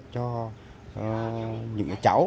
cho những cháu